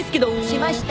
しました。